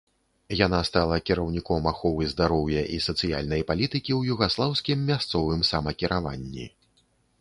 Яна стала кіраўніком аховы здароўя і сацыяльнай палітыкі ў югаслаўскім мясцовым самакіраванні.